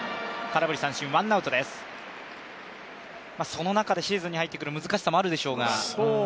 その中でシーズンに入ってくる難しさもあるでしょうが。